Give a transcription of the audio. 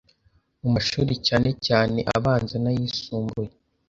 mumashuri cyane cyane abanza n’ayisumbuye